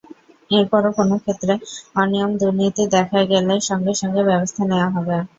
এরপরও কোনো ক্ষেত্রে অনিয়ম-দুর্নীতি দেখা গেলে সঙ্গে সঙ্গে ব্যবস্থা নেওয়া হবে।